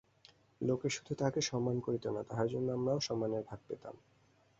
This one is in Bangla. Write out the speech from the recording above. লোকে শুধু তাঁকেই সম্মান করত না, তাঁর জন্য আমরাও সম্মানের ভাগ পেতাম।